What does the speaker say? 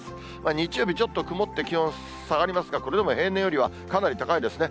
日曜日、ちょっと雲って、気温下がりますが、これでも平年よりはかなり高いですね。